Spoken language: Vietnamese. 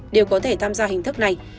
đều có thể tham gia hình thức này